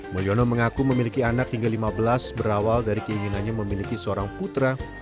mulyono mengaku memiliki anak hingga lima belas berawal dari keinginannya memiliki seorang putra